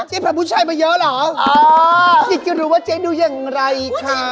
พาผู้ชายมาเยอะเหรอเจ๊จะรู้ว่าเจ๊ดูอย่างไรคะ